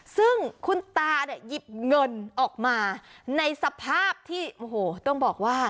ซึ่งคุณตาเนี่ยหยิบเงินออกมาในสภาพที่โอ้โหต้องบอกว่า